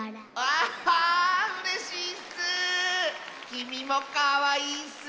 きみもかわいいッス！